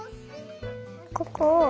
ここを。